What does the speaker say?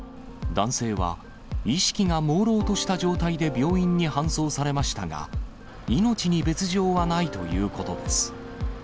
男性は、意識がもうろうとした状態で病院に搬送されましたが、命に別状はないということです。